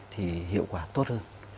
thì hiệu quả tốt hơn